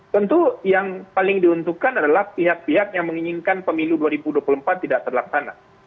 tentu yang paling diuntungkan adalah pihak pihak yang menginginkan pemilu dua ribu dua puluh empat tidak terlaksana